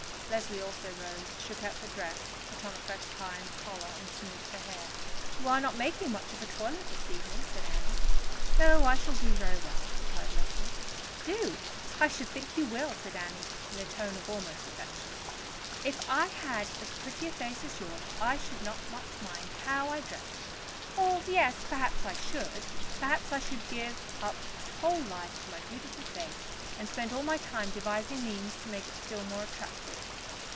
Leslie also rose, shook out her dress, put on a fresh tie and collar, and smoothed her hair. "You are not making much of a toilet this evening," said Annie. "Oh, I shall do very well," replied Leslie. "Do! I should think you will," said Annie in a tone almost of affection. "If I had as pretty a face as yours, I should not much mind how I dressed; or, yes, perhaps I should. Perhaps I should give up my whole life to my beautiful face, and spend all my time devising means to make it still more attractive."